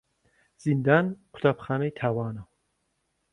زیندان قوتابخانەی تاوانە.